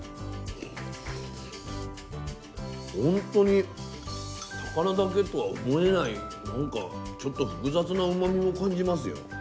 ほんとに高菜だけとは思えない何かちょっと複雑なうまみも感じますよ。